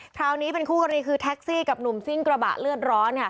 คราวนี้เป็นคู่กรณีคือแท็กซี่กับหนุ่มซิ่งกระบะเลือดร้อน